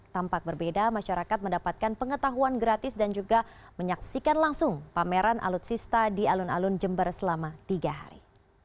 tampak berbeda masyarakat mendapatkan pengetahuan gratis dan juga menyaksikan langsung pameran alutsista di alun alun jember selama tiga hari